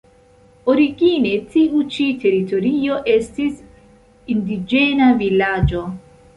Origine tiu ĉi teritorio estis indiĝena vilaĝo.